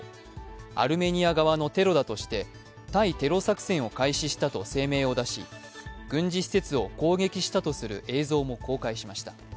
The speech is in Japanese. アルメニア側のテロだとして対テロ作戦を開始したと声明を出し軍事施設を攻撃したとする映像も公開しました。